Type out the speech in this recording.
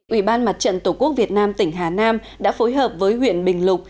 ủy ban mặt trận tổ quốc việt nam tỉnh hà nam đã phối hợp với huyện bình lục